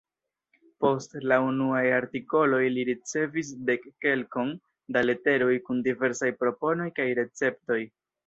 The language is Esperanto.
Post la unuaj artikoloj li ricevis dekkelkon da leteroj kun diversaj proponoj kaj receptoj.